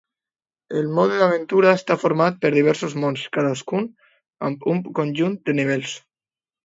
El mode Aventura està format per diversos mons, cadascun amb un conjunt de nivells.